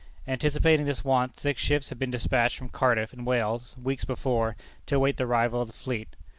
Anticipating this want, six ships had been despatched from Cardiff, in Wales, weeks before, to await the arrival of the fleet.